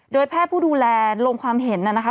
โดยแพทย์ผู้ดูแลลงความเห็นนะคะ